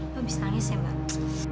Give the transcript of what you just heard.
kau bisa nangis ya mbak